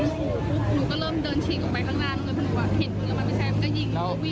หนูก็เริ่มเดินฉีกออกไปข้างหน้าหนูก็เห็นมันแล้วมันไม่ใช่